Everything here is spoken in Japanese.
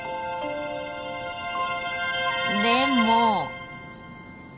でも。